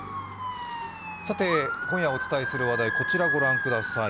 さて今夜お伝えする話題、こちら、ご覧ください。